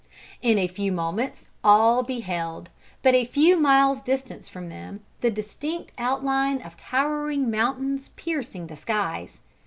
In a few moments all beheld, but a few miles distant from them, the distinct outline of towering mountains piercing the skies.